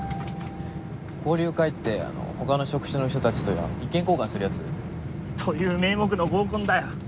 交流会って他の職種の人たちと意見交換するやつ？という名目の合コンだよ。